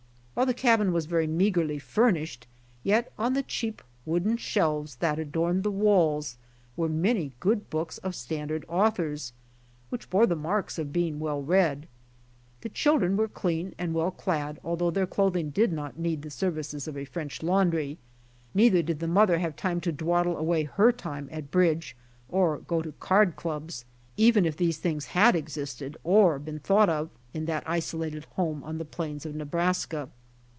While the cabin was very meagerly furnished, yet on the cheap wooden shelves that adorned the walls were many good books of standard authors, which bore the marks of being well read. The children were clean and well clad although their clothing did not need the services of a French laundry ; neither did the mother have time to dawdle away her time at bridge or go to card clubs, even if these things had existed or been thought of in that isolated home on the plains of Nebraska.